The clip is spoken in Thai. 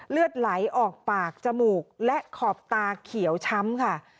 เลือดไหลออกปากจมูกและขอบตาเขียวช้ำค่ะ